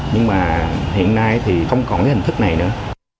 nhưng mà hiện nay thì không còn cái hình thức này nữa